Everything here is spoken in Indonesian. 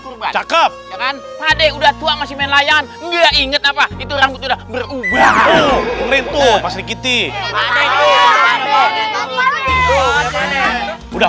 kurban cakep pade udah tua masih main layan gak inget apa itu rambut udah berubah